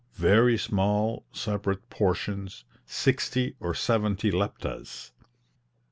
very small separate portions, sixty or seventy leptas (6d.